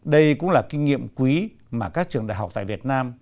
đây cũng là kinh nghiệm quý mà các trường đại học tại việt nam